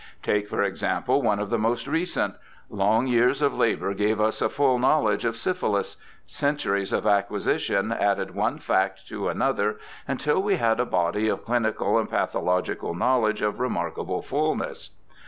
Take, for example, one of the most recent : Long years of labour gave us a full know ledge of syphilis ; centuries of acquisition added one fact to another, until we had a body of clinical and 298 BIOGRAPHICAL ESSAYS pathological knowledge of remarkable fullness.